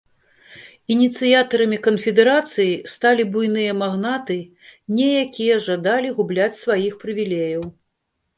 Ініцыятарамі канфедэрацыі сталі буйныя магнаты, не якія жадалі губляць сваіх прывілеяў.